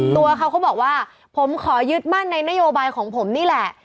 ตัวเขาเขาบอกว่าผมขอยึดมั่นในนโยบายของผมนี่แหละ